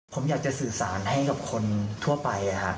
ผมอยากจะสื่อสารให้กับคนทั่วไป